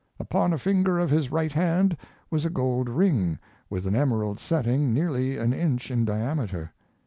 Upon a finger of his right hand was a gold ring with an emerald setting nearly an inch in diameter.